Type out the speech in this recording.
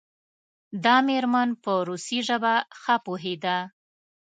دا میرمن په روسي ژبه ښه پوهیده.